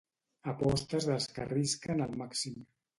Apostes dels que arrisquen al màxim.